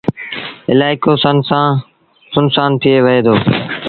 الآئيڪو سُن سآݩ ٿئي وهي دو۔